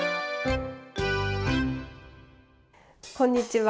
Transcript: こんにちは。